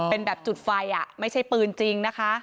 เป็นแบบจุดไฟไม่ใช่ปืนจริงนะคะ